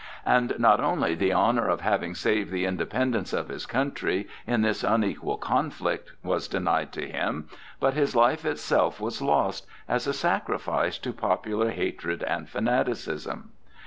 And not only the honor of having saved the independence of his country in this unequal conflict was denied to him, but his life itself was lost, as a sacrifice to popular hatred and fanaticism.